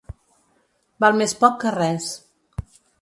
Val més poc que res.